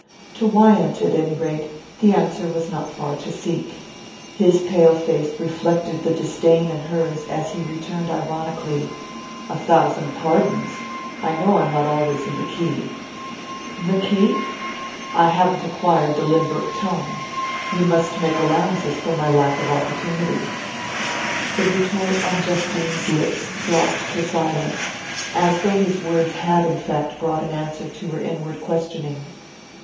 To Wyant, at any rate, the answer was not far to seek. His pale face reflected the disdain in hers as he returned ironically: "A thousand pardons; I know I'm not always in the key." "The key?" "I haven't yet acquired the Lynbrook tone. You must make allowances for my lack of opportunity." The retort on Justine's lips dropped to silence, as though his words had in fact brought an answer to her inward questioning.